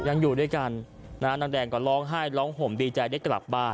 ยังอยู่ด้วยกันนางแดงก็ร้องไห้ร้องห่มดีใจได้กลับบ้าน